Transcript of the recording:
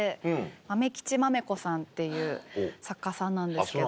まめきちまめこさんっていう作家さんなんですけど。